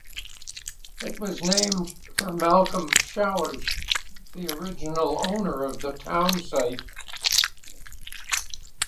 It was named for Malcolm Showers, the original owner of the town site.